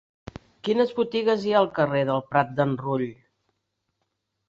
Quines botigues hi ha al carrer del Prat d'en Rull?